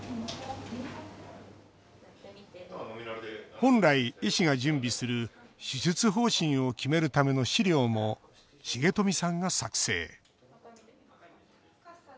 本来、医師が準備する手術方針を決めるための資料も重冨さんが作成。